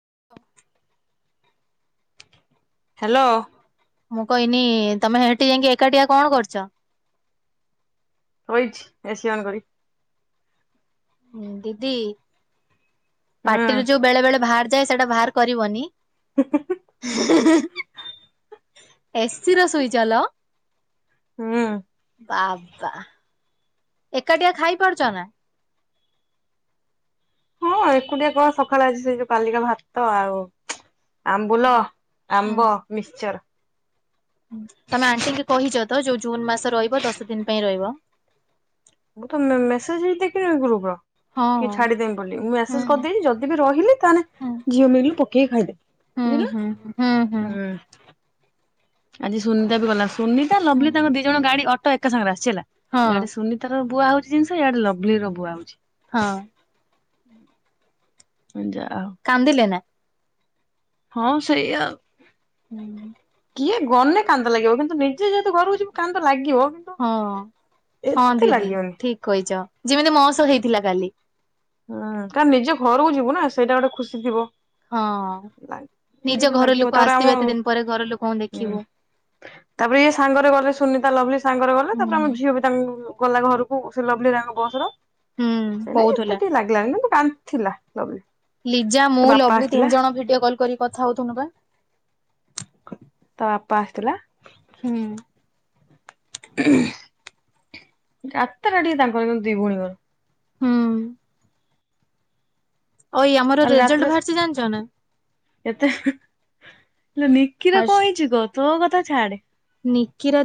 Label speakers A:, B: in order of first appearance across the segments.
A: [unintelligible]
B: Hello.
A: ମୁଁ କଇନି, ତମେ ସେଠି ଯାଇକି ଏକାଟିଆ କଣ କରୁଚ?
B: ସୋଇଚି, ଏସି ଅନ କରି।
A: ହୁଁ, ଦିଦି
B: ହୁଁ
A: ପାଟିରୁ ଯୋଉ ବେଳେ ବେଳେ ବାହାରି ଯେ ସେଟା ଭାର କରିବନି। ହୁଁ-ହୁଁ-ହୁଁ, ଏସି ରେ ଶୋଇଚ ଲୋ?
B: ହୁଁ
A: ବାବା। ଏକାଟିିଆ ଖାଇ ପାରୁଚ ନା?
B: ହଁ-ଅଁ, ଏକୁଟିଆ କଅ ସଖାଳେ ଆଜି ସେଇ ଯୋଉ କଲିକା ଭାତ ଆଉ ଆମ୍ବୁଲ, ଆମ୍ବ, ମିକ୍ସଚର।
A: ହୁଁ, ତମେ ଆଣ୍ଟିଙ୍କି କହିଚ ତ? ଯୋଉ ଜୁନ ମାସ ରଇବ, ଦଶ ଦିନ ପାଇଁ ରହିବ।
B: ମୁଁ ତ ମେ-ମେ-ମେସେଜ ହିଁ ଦେଖିନ କି ଗ୍ରୁପର?
A: ହଁ
B: କି ଛାଡିଦେମି ବୋଲି, ମୁଁ
A: ହୁଁ
B: ମ୍ୟାସେଜ କରିଦେଇଚି। ଯଦି ବି ରହିଲି ତାହେନେ,
A: ହୁଁ
B: ଝିଅ ମିଲ ରୁ ପକେଇକି ଖାଇଦେବି।
A: ହୁଁ
B: ବୁଝିଲ
A: ହୁଁ ହୁଁ ହୁଁ
B: ନା ହୁଁ-ଉ। ଆଜି ସୁନିତା ବି ଗଲା, ସୁନିତା
A: ହୁଁ
B: ଲଭଲି ତାଙ୍କ ଦି ଜଣ ଗାଡି ଅଟୋ ଏକା ସାଙ୍ଗରେ ଆସି ହେଲା,
A: ହଁ
B: ଇଆଡେ ସୁନିତାର ବୁଆ ହଉଚି ଜିନିଷ, ଇଆଡ଼େ ଲଭଲି ର ବୁଆ ହଉଚି।
A: ହଁ।
B: ହୁଁ।
A: କାନ୍ଦିଲେ ନା?
B: ହଁ ସେୟା ଆଉ।
A: ହୁଁ।
B: କିଏ ଗଲେ କାନ୍ଦ ଲାଗିବ, କିନ୍ତୁ ନିଜେ ଯେହେତୁ ଘରକୁ ଯିବୁ କାନ୍ଦ ଲାଗି
A: ହଁ ହଁ ଦିଦି
B: ଲାଗିବନି
A: ଠିକ କହିଚ, ଯେମିତି ମୋ ସହ ହେଇଥିଲା କାଲି।
B: ହଁ, କାଇଁନା ନିଜ ଘରୁକୁ ଯିବୁ ନା, ସେଇଟା ଗୋଟେ ଖୁସି ଥିବ।
A: ହଁ।
B: ଟିକେ
A: ନିଜ
B: ଟିକେ
A: ଘର
B: ଲାଗିବ,
A: ଲୋକ
B: ତାପରେ ଆମ
A: ଆସିଥିବେ ଏତେ
B: ହୁଁ
A: ଦିନ ପରେ ଘର ଲୋକଙ୍କୁ ଦେଖିବୁ।
B: ତାପରେ ଇଏ ସାଙ୍ଗରେ ଗଲେ ସୁନିତା, ଲଭଲି ସାଙ୍ଗରେ ଗଲେ ତାପରେ ଆମ
A: ହୁଁ।
B: ଝିଅ ବି ତାଙ୍କୁ ଗଲା ଘରକୁ, ସେ ଲଭଲି ତାଙ୍କ ବସ ରେ
A: ହୁଁ
B: ସେଇ ନାଗି
A: କହୁଥିଲା
B: ଲାଗ ନା କାନ୍ଦଥିଲା ଲଭଲି।
A: ଲିଜା
B: ତା
A: ମୁଁ
B: ବାପା
A: ଲଭଲି
B: ଆସିଥିଲା
A: ତିନି ଜଣ ଭିଡିଓ କଲ କରି କଥା ହଉଥିଲୁ ବା।
B: ପା ଆସିଥିଲା।
A: ହୁଁ।
B: ଯାତ୍ରା ଟିକେ ତାଙ୍କର ଦି ଭଉଣୀଙ୍କର।
A: ହୁଁ। ଓଇ ଆମର
B: କାଲି
A: ରେଜଲ୍ଟ
B: ରାତିରେ
A: ବାହାରିଛି ଜାଣିଛ ନା?
B: ଏତେ ଲୋ ନିଖିର କଣ ହେଇଛି କ ତୋ କଥା ଛାଡେ।
A: ନିକିର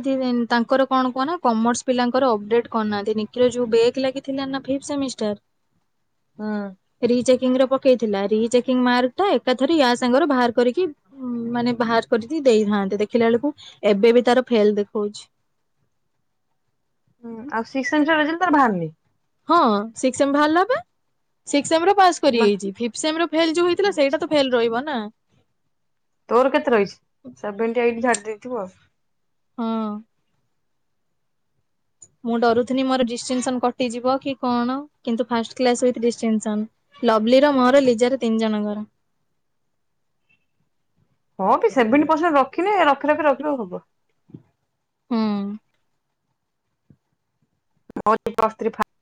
A: ତାଙ୍କର କଣ କହନା କମର୍ସ ପିଲାଙ୍କର ଅପେଟ କରନାହାନ୍ତି। ନିକିର ଯୋଉ ବ୍ୟାକ ଲାଗିଥିଲା ଫିଫ୍ଟ ସେମିଷ୍ଟର
B: ହୁଁ।
A: ଚେକିଂରେ ପକେଇଥିଲା ରିଚେକିଂ ମାର୍କ ଟା ଏକାଥର ୟା ସାଙ୍ଗରେ ବାହାର କରିକି ମାନେ ବାହାର କରିକି ଦେଇଥାନ୍ତେ। ଦେଖିଲା ବେଳକୁ ଏବେ ବି ତାର ଫେଲ ଦେଖେଉଛି।
B: ହୁ ଆଉ ସିକ୍ସ ସେମିଷ୍ଟର ରେଜଲ୍ଟ ତାର ବାହାରନି।
A: ହଁ ଶିକସ ସେମି ବାହାରିଲା ବା। ସି ସେମି ପାସ
B: ମାନେ
A: କରିଯାଇଛି। ଫିଥ ସେମିର ଫେଲ୍ ଯୋଉ ହେଇଥିଲା ସେଇ ଟା
B: ଆଚ୍ଛା
A: ତ ଫେଲ ତ ରହିବ ନା।
B: ତୋର କେତେ ରହିଚି ସେଭେନ୍ଟି ଏଇଟି ଦେଇଥିବ ଆଉ
A: ହଁ। ମୁଁ ଡରୁଥିନି ମୋର ଡିଷ୍ଟିସନ କଟିଯିବ କି କଣ କିନ୍ତୁ ଫାଷ୍ଟ କ୍ଲାସ ୱିଥ ଡିଷ୍ଟିସନ ସନ ଲଭଲି ର ମୋର ଲି ଜାର ତିନି ଜଣଙ୍କର
B: ହଁ ବି ସେଭେଣ୍ଟି ପର୍ସେଣ୍ଟ ରଖିନେ ରଖି ରଖି ରଖି [unintelligible] ହବ।
A: ହୁଁ।
B: ମୋର ବି ପ୍ଲସ ଥ୍ରି ଫାର୍ଷ୍ଟ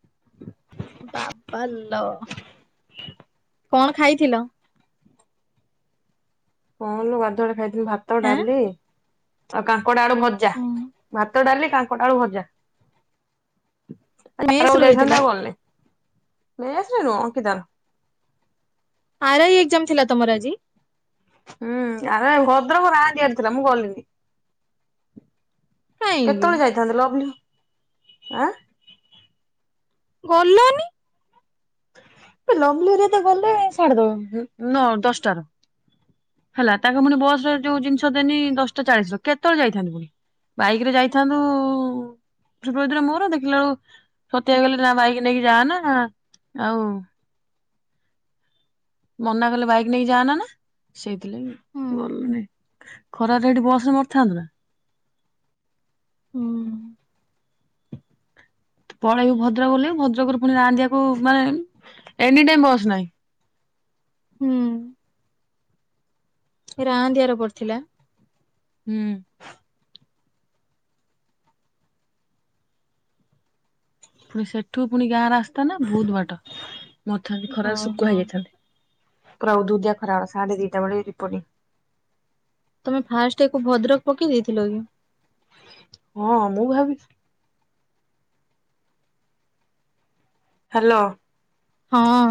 A: ବାପାଲୋ କଣ ଖାଇଥିଲ?
B: କଣଲୋ ଗାଧୁଆଳେ ଖାଇଥିଲ ଭାତ
A: ଆଁ
B: ଡାଲି ଆଉ କା ଙ୍କଡ ଆଳୁ ଭଜା ଭାତ ଡାଲି କଙ୍କଡ଼ ଆଳୁ ଭଜା। ଆଜି
A: ମେସ ରୁ ହେଇଥିଲା
B: [unintelligible] ଆଉ ଗଲନି ମେସ ରେ ରଖି ଥାନ୍ତି
A: ଆର ଇ ଏକ୍ଜାମ ଥିଲା ତମର ଆଜି?
B: ହୁଁ ଆରେ ଭଦ୍ରକ ରାଂଦିଆ ଥିଲା ମୁଁ ଗଲିନି।
A: କାହିଁକି
B: କେତେବେଳେ ଯାଇଥାନ୍ତେ ଲଭଲି ଆଁ?
A: ଗଲନି
B: ଏ ଲଭଲି ହେରିକାତ ଗଲେ ସାଢେ ଦ ନଅ ଦଶଟ ରୁ ହେଲା ତାଙ୍କ ପୁଣି ବସରେ ଯୋଉ ଜିନିଷ ଦେନି ଦଶଟା ଚାଳିଶ ର କେତେବେଳେ ଯାଇଥାନ୍ତି ବାଇକ ରେ ଯାଇଥାନ୍ତୁ ଶୁଭଦିଦି ର ମୋର ଦେଖିଲା ବେଳୁ ସତ୍ୟ ଭାଇ କହିଲେ ନା ବାଇକ ନେଇକି ଯାଆ ନା ଆଉ ମନା କଲେ ବାଇକ ନେଇକି ଯାଆନ ନା ସେଇଥିଲାଗି
A: ହୁଁ
B: ଗଲୁନି ଖରାରେ ଏଠି ବସ ରେ ମରିଥାନ୍ତୁ ନା।
A: ହୁଁ।
B: ପଳେଇବୁ ଭଦ୍ରକ ଓଲ୍ହେବୁ ଭଦ୍ରକରୁ ପୁଣି ରାଂଦିଆ କୁ ମାନେ ଏନି ଟାଇମ ବସ୍ ନାହିଁ।
A: ଏ ରାଂଦିଆ ରେ ପଡିଥିଲା?
B: ହୁଁ। ପୁଣି ସେଠୁ ପୁଣି ଗାଁ ରାସ୍ତା ନା ବହୁତ ବାଟ। ମଥାନ୍ତି ଖରାରେ ଶୁଖୁଆ
A: ଓହୋ
B: ହେଇଯାଇ ଥାଆନ୍ତି। ପୁରା ଉଦୁଉଦିଆ ଖରାବେଳ ସାଢେ ଦିଟା ବଳେ ଏଠି ରିପଟିଙ୍ଗ।
A: ତମେ ଫାଷ୍ଟ ଆକୁ ଭଦ୍ରକ ପକେଇ ଦେଇଥିଲ କି?
B: ହଁ ମୁଁ ଭାବିଚି ହ୍ୟାଲୋ।
A: ହଁ।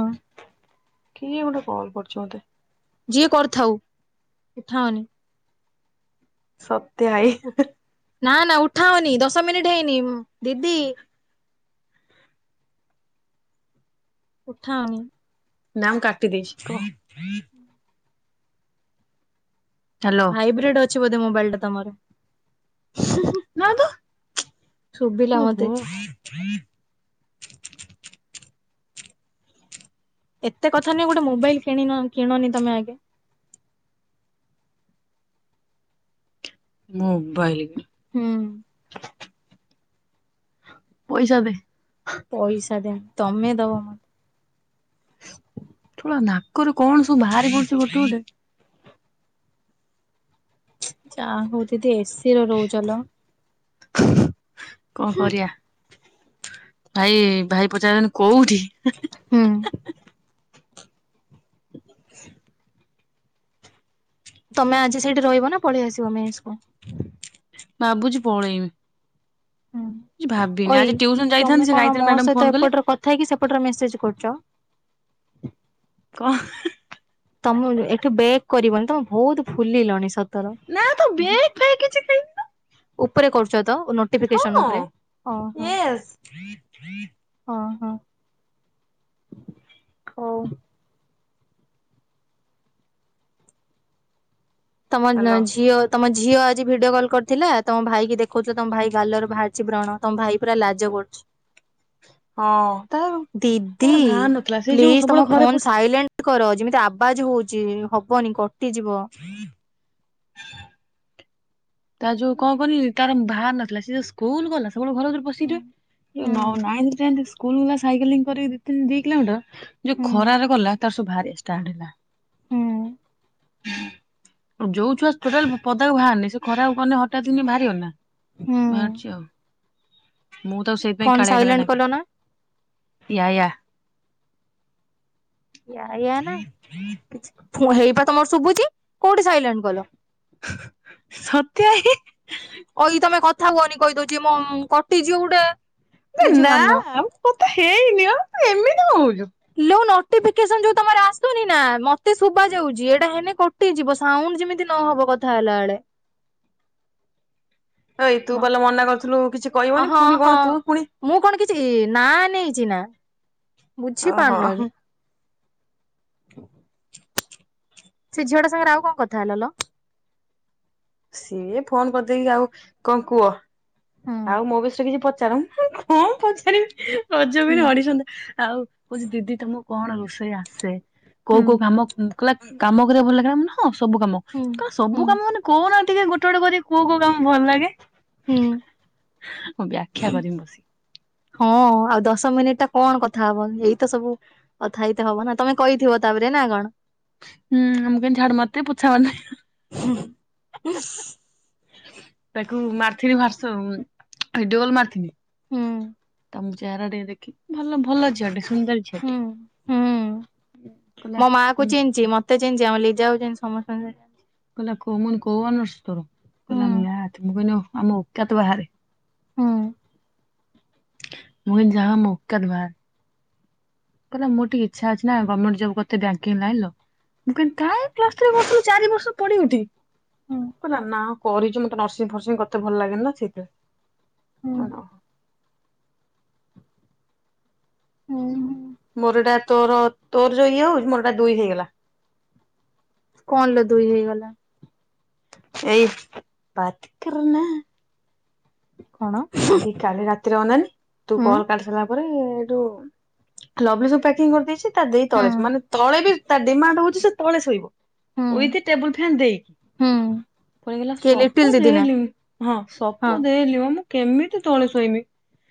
B: କିଏ ଗୋଟେ କଲ୍ କରୁଚି ମୋତେ
A: ଯିଏ କରିଥାଉ ଉଠାଅନି।
B: ସତ
A: ନା ନା ଉଠାଅନି ଦଶ ମିନିଟ୍ ଟ ହେଇନି ମଁ ଦିଦି ଉଠାଅନି।
B: ନା ମୁଁ କାଟି ଦେଇଛି କୁହ। ହ୍ୟାଲୋ
A: ଭାଇବ୍ରେଟ ଅ ଛି ବୋଧେ ମୋବାଇଲଟା ତମର?
B: ନା ତ
A: ଶୁଭିଲା ମତେ
B: ଓହୋ।
A: ଏତେ କଥା ନାଇଁ ଗୋଟେ ମୋବାଇଲ କିଣିନ କିଣନି ତମେ ଆଗେ।
B: ମୋବାଇଲି କିଣି
A: ହୁଁ।
B: ପଇସା ଦେ।
A: ପଇସା ଦେ। ତମେ ଦବ ମ।
B: [unintelligible] ନାକରୁ କଣ ସବୁ ବାହାରି ପଡୁଛି ଗୋଟେ ଗୋଟେ।
A: ଯା ହଉ ଦି ଦି ଏ ସି ରେ ରହୁଚ ଲୋ।
B: କଁ କରିଆ? ଭାଇ ଭାଇ ପଚାରୁ [unintelligible] କୋଉଠି?
A: ହୁଁ ତମେ ଆଜି ସେଇଠି ରହିବ ନା ପଳେଇ ଆସିବ ମେସ୍ ପ
B: ଭାବୁଚି ପଳେଇବି
A: ହୁଁ ଓଇ
B: ଯାଇଥାନ୍ତି
A: ତମେ
B: ସେ
A: କଣ
B: ଗାୟତ୍ରୀ
A: ମୋ
B: ମ୍ୟାଡାମ ଫୋନ
A: ସହିତ
B: କଲେ
A: ଏପଟରେ କଥା ହେଇକି ସେପଟରେ ମେସେଜ କରୁଛ?
B: କ ହ ହ
A: ତମ ଏଠୁ ବେକ୍ କରିବନି ତମେ ବହୁତ ଫୁଲିଲଣି ସତ୍
B: ନା ତ ବେଗ୍ ଖାଇ କି [unintelligible] ଖାଇନି ତ?
A: ଉପରେ କରୁ ଚ ତ ନୋଟିଫିକେସନ ଉପରେ ହ ହ
B: ୟେସ୍
A: ହ ହଁ ହଉ। ତମନ
B: ହାଲୋ
A: ଝିଅ ତମ ଝିଅ ଆଜି ଭିଡିଓ କଲ୍ କରିଥିଲା ତମ ଭାଇକି ଦେଖ କହୁଛ ତମ ଭାଇ ଗାଲରୁ ବାହାରିଛି ବ୍ରଣ ତମ ଭାଇ ପୁରା ଲାଜ କରୁଛି
B: ହଁ ତାର ତାର
A: ଦିଦି
B: ଭାର ନଥିଲା ସେ ଯୋଉ
A: ପ୍ଲିଜ
B: ସବୁବେଳେ
A: ତମ
B: ଘରେ
A: ଫୋନ
B: ପଶି
A: ସାଇଲେଣ୍ଟ କର ଯେମିତି ଆବାଜ ହଉଛି ହବନି କ ଟି ଯିବ।
B: ତା ଯୋଉ କଣ କହନି ତାର ଭାର ନଥିଲା ସିଏ ଯୋଉ ସ୍କୁଲ ଗଲା ସବୁବେଳେ ଘର ଭିତରେ ପଶିକି
A: ହୁଁ
B: ରହେ, ଏଇ
A: ହୁଁ
B: ନ ନାଇନ୍ଥ ଟେନ୍ଥ ସ୍କୁଲ ଗଲା ସାଇକେଲିଂ କରି ଦି ତିନ୍ ଦି କିଲୋମିଟର ଯୋଉ
A: ହୁଁ
B: ଖରାରେ ଗଲା ତାର ସ ଭାରିଆ ଷ୍ଟାର୍ଟ ହେଲା। ଯୋଉ ଛୁଆ ଟୋଟାଲ ପଦାକୁ ଭାଆରିନି ସ ଖରାକୁ ଗନେ ହଠାତ୍ କିନି ବାହାରିିବନି ନା?
A: ହୁଁ।
B: ଭାରଚି ଆଉ। ମୁଁ ତାକୁ ସେଇଥିପାଇଁ
A: ଫୋନ
B: କାଳିଆ କାଳିଆ
A: ସାଇଲେଣ୍ଟ କଲ ନା
B: ଡାକେ। ୟା ୟା।
A: ୟା ୟା ନା କିଛି ଫୁ ହେଇବା ତମର ଶୁଭୁଛି କୋଉଠି ସାଇଲେଣ୍ଟ କଲ?
B: ସତ୍ୟ ହେ?
A: କଇ ତମେ କଥା ହୁଅନି କହିଦଉଛି ମୋ ମ୍ କଟିଯିବ ଗୁଟେ
B: ଦି ନା ମୁଁ କଥା ହେଇନି ବା ତୁ ଏମି ତି କଁ ହଉଛୁ?
A: ଲୋ ନୋଟିଫିକେସନ୍ ଯୋଉ ତମର ଆସୁନି ନା ମତେ ଶୁଭା ଯାଉଛି ଏଟା ହେଲେ କଟିଯିବ ସାଉଣ୍ଡ ଯେମିତି ନ ହବ କଥା ହେଲା ବେଳେ।
B: ହେଇ ତୁ ପାଲୋ ମନା କରୁଥିଲୁ
A: ହଁ ହଁ ମୁଁ କଣ କିଛି ନା ନେଇଚି ନା? ବୁଝିପାରୁନ
B: ଓହୋ
A: କି? ସେ ଝିଅ ଟା ସାଙ୍ଗରେ ଆଉ କଣ କଥା ହେଲ ଲୋ।
B: ସିଏ ଫୋନ କରିଦେଇକି ଆଉ କଣ କୁହ।
A: ହୁଁ
B: ଆଉ ମୋ ବିଷୟରେ କିଛି ପ [unintelligible] କଣ ପଚାରିବି। ରଜ
A: ହୁଁ
B: କୁଇନ୍ ଅଡିସନ୍ ରେ ଆଉ କହୁଚି ଦିଦି ତମ କଣ ରୋଷେଇ ଆସେ?
A: ହୁଁ
B: କୋଉ କୋଉ କାମ କଲା କାମ କରିଆକୁ ଭଲ ଲାଗିଲାନା ମୁଁ କହିଲି ହଁ। ସବୁ କାମ
A: ହୁଁ
B: କା
A: ହୁଁ
B: ସବୁ କାମ ମାନେ କଣ ଟିକେ ଗୋଟେ ଗୋଟେ କରିକି କୋଉ କୋଉ କାମ ଭଲ ଲାଗେ?
A: ହୁଁ।
B: ମୁଁ ବ୍ୟାଖ୍ୟା କରିମି ବସିକି।
A: ହଁ ଆଉ ଦଶ ମିନିଟ୍ କଣ କଥା ହବ ଏଇତ ସବୁ କଥା ହେଇତ ହବ ନା ତମେ କହିଥିବ ତାପରେ ନା କଣ?
B: ହୁଁ ମୁଁ କହିଲି ଝାଡୁ ମାରତେ ପୋଛା ମା ତାକୁ ମାରିଥିନି ହ୍ବାର୍ଟସପ କୁ ଭିଡିଓ କଲ ମାରଥିନି
A: ହୁଁ।
B: ମୁଁ ଚେରା ଟିକେ ଦେଖି ଭଲ ଭଲ ଝିଅ ଟେ ସୁନ୍ଦର
A: ହୁଁ
B: ଝିଅଟେ
A: ହୁଁ।
B: କଲା ମୁକନି
A: ଚିନଚି ଆମ ଲିଜାକୁ ଚିନଚି ସମସ୍ତଙ୍କୁ ସେ
B: ମୁଁ କଇନି କୋଉ ଅନରସ୍ ତୋର?
A: ହୁଁ
B: କହିଲା ମ୍ୟାଥ୍ ମୁଁ କଇନି ଓହୋ। ଆମ ଓକାତ ବାହାରେ।
A: ହୁଁ।
B: ମୁ କଇନି ଯାହା ହୋଉ ଆମ ଓକାତ ବାହାରେ। କହିଲା ମୋର ଟିକେ ଇଚ୍ଛା ଅଛି ନା ଗମେଣ୍ଟ ଜବ କରିତେ ବ୍ୟାଙ୍କିଙ୍ଗ ଲାଇନ୍ ର ମୁଁ କଇନି କାଇଁ ପ୍ଲସ ଥ୍ରୀ କରୁଥିଲୁ ଚାରି ବର୍ଷ ପଡି ଉଠି କି?
A: ହୁଁ।
B: କହିଲା ନା କରିଛୁ ମୋତେ ନର୍ସିଂ ଫର୍ସିଂ କରିତେ ଭଲ ଲାଗେନି ନା ସେଇଥିପାଇଁ।
A: ହୁଁ
B: ମୁଁ କହିଲି ଓହୋ
A: ଉଁ ହୁଁ।
B: ମୋରି ଏଇଟା ତୋର ତୋର ଯୋଏ ଇଏ ହୋଉଚି ମୋରି ଏଟା ଦୁଇ ହେଇଗଲା।
A: କଣ ଲୋ ଦୁଇ ହେଇଗଲା?
B: ଏଇ [unintelligible] ନା।
A: କଣ
B: କାଲି କାଲି ରାତିରେ ଅନାନି ତୁ
A: ହୁଁ
B: କଲ୍ କାଟି ସାରିଲା ପରେ ଏଠୁ ଲଗେଜ୍ ସବୁ ପ୍ୟାକିଂ କରିଦେଇଛି। ତା ଦେଇ ଶୁ ତଳେ
A: ହୁଁ
B: ମାନେ ତଳେ ବି ତା ଡିମାଣ୍ଡ ହଉଛି ସେ ତଳେ ଶୋଇବ।
A: ହୁଁ
B: ୱିଥ ଟେବୁଲ ଫ୍ୟାନ ଦେଇ,
A: ହୁଁ
B: ପୁଣି ଗଲା
A: କିଏ ଲିଟିଲ
B: ସବୁ
A: ଦିଦି ନା
B: ଦେଇଲି ମୁଁ ହଁ
A: ହଁ
B: ସପ ଦେଲି ମୁଁ କେମିତି ତଳେ ଶୋଇମି।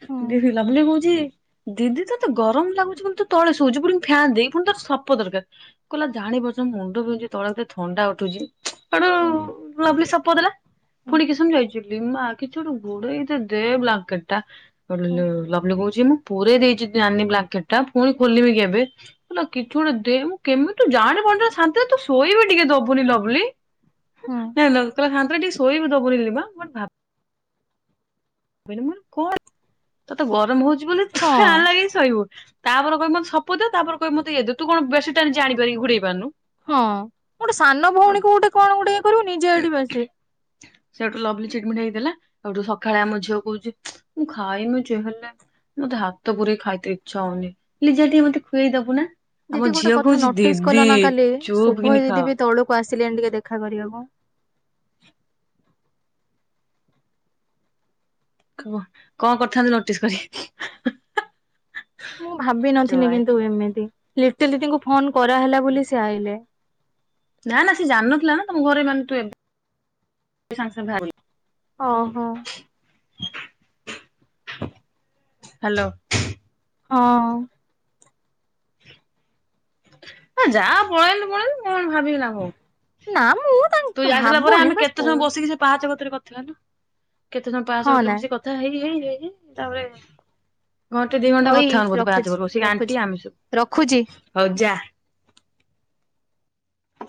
A: ହୁଁ
B: ଦିଦି ଲଭଲି ବହୁତ୍ ତି ଦିଦି ତତେ ଗରମ ଲାଗୁଛି କିନ୍ତୁ ତୁ ତଳେ ଶୋଉଚୁ ପୁଣି ଫ୍ୟାନ୍ ଦେଇ ପୁଣି ତାର ସପ ଦରକାର, କହିଲା ଜାଣି ପାରୁଛୁ ମୋ ମୁଣ୍ଡ ବିନ୍ଧୁଚି ତଳେ କେତେ ଥଣ୍ଡା ଉଠୁଛି।
A: ହୁଁ
B: [unintelligible] ଲଭଲି ସପ୍ ପ ଦେଲା।
A: ହୁଁ
B: ଫୁଣି କେତ ସମୟ ରହିଯି ଲିମା କିଛି ଗୋଟେ ଘୋଡେଇ ଦେ ବ୍ଲାଙ୍କେଟ ଟା। ସୋଉଠୁ
A: ହୁଁ
B: ଲ ଲଭଲି କହୁଛି ମୁଁ ପୁରେଇ ଦେଇଛି ନାନୀ ବ୍ଲାଙ୍କେଟ ଟା ପୁଣି ଖୋଲିବିକି ଏବେ କହିଲା କିଛି ଗୋଟେ ଦେ ମୁଁ କେମିତି ତୁ ଜାଣିପାରୁନୁ ତୁ ଶାନ୍ତି ରେ ତୁ ଶୋଇବି ଟିକେ ଦବୁନି ଲଭଲି?
A: ହୁଁ
B: [unintelligible] କହିଲା ଟିକେ ଶୋଇବି ଦବୁନି ଲିମା ମୁଁ ଏଠି ଭା [unintelligible] କଣ ତତେ ଗରମ ହଉଛି। ଯିବୁ ନା ଫ୍ୟାନ
A: ହଁ
B: ଲଗେଇ ଶୋଇବୁ। ତାପରେ କହିବୁ ମତେ ସପ ଦେ ତାପରେ କହିବୁ ମତେ ଇଏ ଦେ ତୁ କଣ ବେଡସିଟ ନିଜେ ଆଣି ପାରିକି ଘୋଡେଇ ହେଇ ପାରୁନୁ।
A: ହଁ ଗୋଟେ ସାନ ଭଉଣୀ କୁ ଗୋଟେ କଣ ଗୋଟେ କରିବୁ ନିଜେ ଏଇଠି ବେସି
B: ସେଠୁ ଲଭଲି ଚିଡମିଡ୍ ହେଇକି ଦେଲା ସେଠୁ ସକାଳେ ଆମ ଝିଅ କହୁଛି ମୁଁ ଖାଇନି ଯେ ହେଲେ ହେଲେ ମତେ ହାତ ପୁରେଇ ଖାଇତେ ଇଚ୍ଛା ହଉନି ଲିଜା ଟିକେ ମତେ ଖୁଆଇ ଦବୁ ନା। ଆମ
A: ଦିଦି ଗୋଟେ
B: ଝିଅ
A: କଥା
B: କହୁଛି
A: ନୋଟିସ କଲ
B: ଦିଦି
A: ନା କାଲି
B: ଚୁପ୍
A: ଶୁଭ
B: କିନି ଖାଅ
A: ଦିଦି ବି ତଳକୁ ଆସ ଲେନି ଟିକେ ଦେଖା କରିବାକୁ।
B: କଣ କରିଥାନ୍ତୁ ନୋଟିସ କରିକି।
A: ମୁଁ ଭାବି ନଥିଲି
B: ଜଳାଏ
A: କିନ୍ତୁ ଏମିତି ଲିଟିଲ୍ ଦିଦି ଙ୍କୁ ଫୋନ କରାହେଲା ବୋଲି ସେ ଆଇଲେ।
B: ନା ନା ସେ ଜାଣିନଥିଲା ନା ତମ ଘରେ ମାନେ ତୁ ଏବେ ସାଙ୍ଗେ ସାଙ୍ଗେ ବାହାରିଲୁ।
A: ଓ ହୋ।
B: ହାଲୋ।
A: ହଁ।
B: ଯା ପଳେଇଲୁ ପଳେଇଲୁ। କଣ ଭାବିକି ଲାଭ
A: ନା ମୁଁ
B: ତୁ
A: ତାଙ୍କ
B: ଯାଇ ସାଇଲା ପରେ
A: ଭାବୁନି
B: ଆମେ
A: ବାସ୍
B: କେତେ
A: କହୁ
B: ସମୟ ବସିକି ସେ ପାହାଚ କ ତିରେ କଥା ହେଲୁ। କେତେ ସମୟ ପାହାଚ
A: ହଁ
B: କତିରେ
A: ନା
B: ବସି କଥା ହେଇ ହେଇ ଇକି ତାପରେ ଘଣ୍ଟେ ଦି ଘଣ୍ଟା
A: ଓଇ
B: କଥା ହଉ ବୋଧେ ପାହାଚ
A: ରଖୁଛି
B: ଉପରେ ବସି, ସେ ଆଣ୍ଟି
A: ରଖୁଛି
B: ଆମେ ସବୁ
A: ରଖୁଛି।
B: ହଉ ଯା।